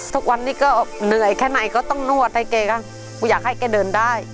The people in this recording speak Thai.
ทุกวันนี้ก็เหนื่อยแค่ไหนก็ต้องนวดให้แกก็กูอยากให้แกเดินได้